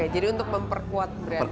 jadi untuk memperkuat brand